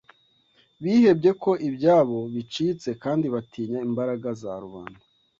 Bihebye ko ibyabo bicitse kandi batinya imbaraga za rubanda